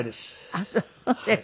あっそうです。